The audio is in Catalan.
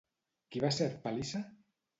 Qui va ser Harpàlice?